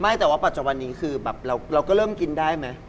ไม่แต่ว่าปัจจักรวรรณ์นี้คือเราก็เริ่มกินได้ไหม